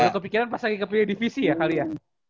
kepikiran pas lagi kepilihan divisi ya kali ya